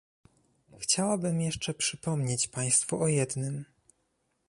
Chciałabym jeszcze przypomnieć państwu o jednym